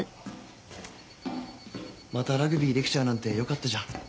またラグビーできちゃうなんてよかったじゃん。